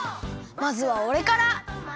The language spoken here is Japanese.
まずはおれから！